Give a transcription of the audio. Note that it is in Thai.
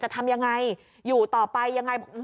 ทำยังไงอยู่ต่อไปยังไง